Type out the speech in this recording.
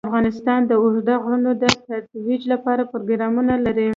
افغانستان د اوږده غرونه د ترویج لپاره پروګرامونه لري.